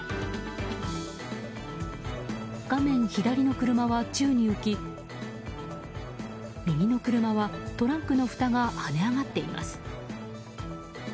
画面左の車は宙に浮き、右の車はトランクのふたがはね上がっています。